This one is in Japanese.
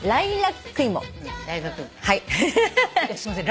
すいません